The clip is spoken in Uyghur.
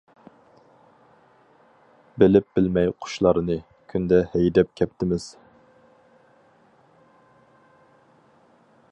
بىلىپ بىلمەي قۇشلارنى، كۈندە ھەيدەپ كەپتىمىز.